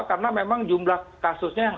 karena memang jumlah kasusnya yang